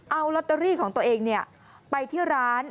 เอาลอตเตอรี่ของตัวเองไปที่ร้าน